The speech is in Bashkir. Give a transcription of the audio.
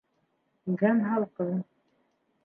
Иҙән һалҡын.